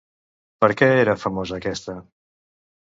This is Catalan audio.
Per què era famosa aquesta?